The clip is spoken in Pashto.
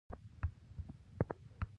ګیلاس د شاعر له خولې سره ملګری وي.